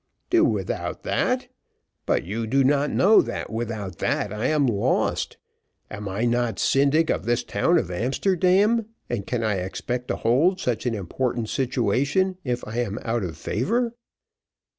"Do without that but you do not know that without that I am lost. Am I not Syndic of this town of Amsterdam, and can I expect to hold such an important situation if I am out of favour?"